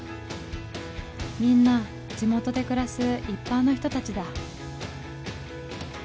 みんな地元で暮らす一般の人たちだ。